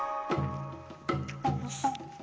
よし。